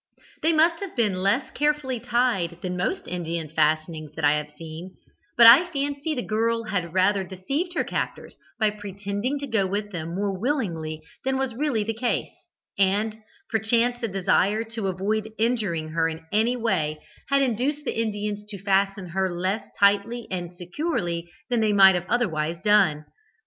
They must have been less carefully tied than most Indian fastenings that I have seen; but I fancy the girl had rather deceived her captors by pretending to go with them more willingly than was really the case, and perchance a desire to avoid injuring her in any way had induced the Indians to fasten her less tightly and securely than they might otherwise have done.